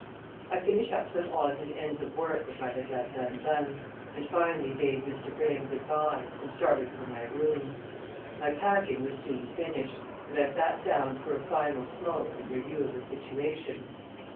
I finished up some odds and ends of work which I had left undone, and finally bade Mr. Graham good by, and started for my rooms. My packing was soon finished, and I sat down for a final smoke and review of the situation.